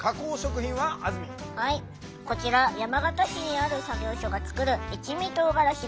こちら山形市にある作業所が作る一味とうがらしです。